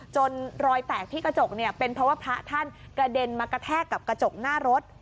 รอยแตกที่กระจกเนี่ยเป็นเพราะว่าพระท่านกระเด็นมากระแทกกับกระจกหน้ารถ